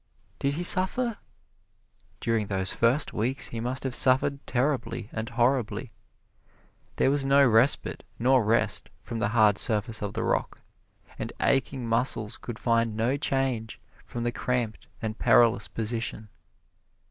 Did he suffer? During those first weeks he must have suffered terribly and horribly. There was no respite nor rest from the hard surface of the rock, and aching muscles could find no change from the cramped and perilous position.